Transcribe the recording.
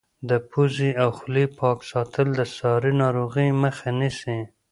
د پوزې او خولې پاک ساتل د ساري ناروغیو مخه نیسي.